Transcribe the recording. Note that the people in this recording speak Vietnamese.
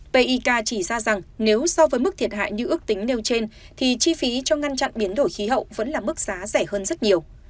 pika chỉ ra rằng nếu so với mức thiệt hại như ước tính nêu trên thì chi phí cho ngăn chặn biến đổi khí hậu vẫn là mức giá rẻ hơn rất nhiều